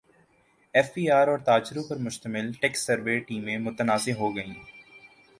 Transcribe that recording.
F B R اور تاجروں پر مشتمل ٹیکس سروے ٹیمیں متنازع ہو گئیں